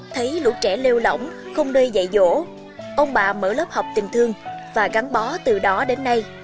thấy lũ trẻ leo lỏng không nơi dạy dỗ ông bà mở lớp học tình thương và gắn bó từ đó đến nay